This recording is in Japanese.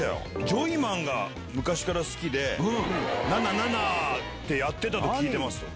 ジョイマンが昔から好きで「ナナナナ」ってやってたと聞いてます。